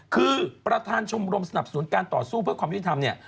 คือประธานชมรมสนับสนุนการต่อสู้เพื่อความยุติธรรมเนี่ย